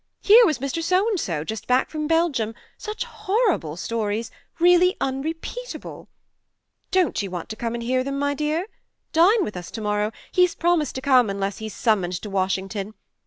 ... Here was Mr. So and so, just back from Belgium such horrible stories really unrepeatable !" Don't you want to come and hear them, my dear ? Dine with us to morrow; he's promised to come unless he's summoned to Washing ton.